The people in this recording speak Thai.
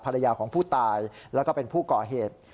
ภรรยาของผู้ตายแล้วก็เป็นผู้ก่อเหตุ